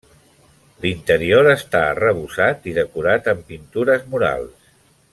L'interior està arrebossat i decorat amb pintures murals.